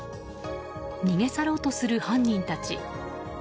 逃げ去ろうとする犯人たち。